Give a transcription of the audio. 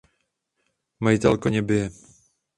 Majitel koně bije.